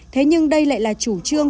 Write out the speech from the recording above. thế nhưng đây lại là chủ trương